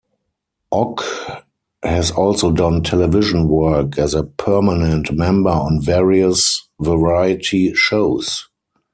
Ock has also done television work as a permanent member on various variety shows.